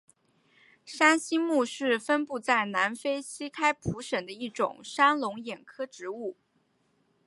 山栖木是分布在南非西开普省的一种山龙眼科植物。